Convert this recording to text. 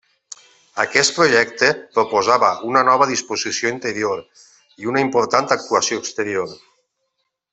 Aquest projecte proposava una nova disposició interior i una important actuació exterior.